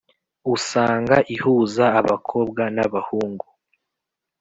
usanga ihuza abakobwa n’abahungu,